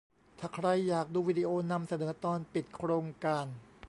ถ้าใครอยากดูวิดีโอนำเสนอตอนปิดโครงการ